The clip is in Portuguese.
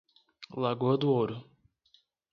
Lagoa do Ouro